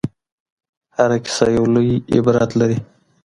هره کيسه يو لوی عبرت لري.